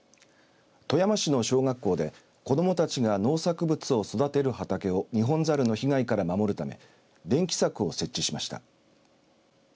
富山市の小学校で子どもたちが農作物を育てる畑をニホンザルの被害から守るため電気柵を設置しました。